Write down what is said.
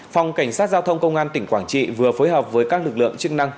phòng cảnh sát giao thông công an tỉnh quảng trị vừa phối hợp với các lực lượng chức năng